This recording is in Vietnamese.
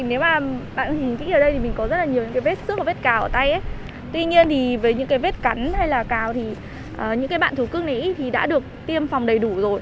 nếu bạn nhìn kỹ ở đây thì mình có rất nhiều vết xước và vết cào ở tay tuy nhiên với những vết cắn hay cào thì những bạn thú cưng này đã được tiêm phòng đầy đủ rồi